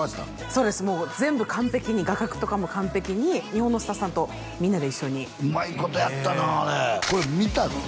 そうですもう全部完璧に画角とかも完璧に日本のスタッフさんとみんなで一緒にうまいことやったなあれこれ見たの？